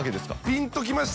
ピンときました。